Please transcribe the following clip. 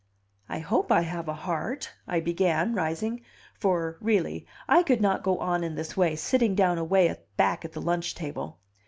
"I hope I have a heart," I began, rising; for, really, I could not go on in this way, sitting down away back at the lunch table.